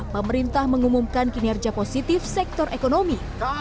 pemerintah mengumumkan kinerja positif sektor ekonomi